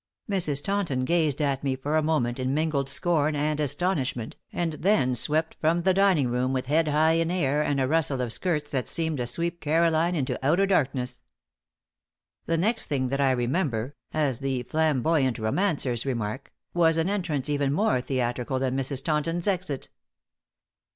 Mrs. Taunton gazed at me for a moment in mingled scorn and astonishment, and then swept from the dining room with head high in air and a rustle of skirts that seemed to sweep Caroline into outer darkness. The next thing that I remember, as the flamboyant romancers remark, was an entrance even more theatrical than Mrs. Taunton's exit.